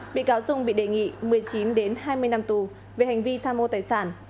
bị cáo dung bị đề nghị một mươi chín hai mươi năm tù về hành vi tham mô tài sản